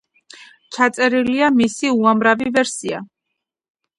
ჩაწერილია მისი უამრავი ვერსია.